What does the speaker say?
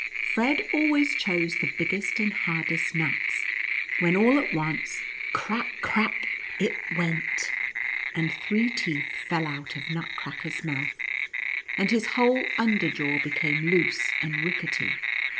Fred always chose 22 NUTCEACKEE AND MOUSE KING. the biggest and hardest nuts, when all at once — crack — crack — it went, and three teeth fell out of Nutcracker's mouth, and his whole under jaw became loose and rickety.